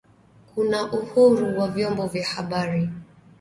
kuna uhuru wa vyombo vya habari